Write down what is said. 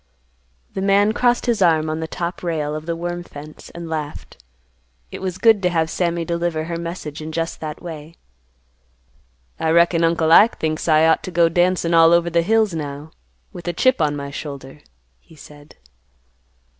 '" The man crossed his arms on the top rail of the worm fence, and laughed. It was good to have Sammy deliver her message in just that way. "I reckon Uncle Ike thinks I ought to go dancin' all over the hills now, with a chip on my shoulder," he said.